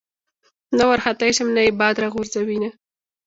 نه ورختی شم نه ئې باد را غورځوېنه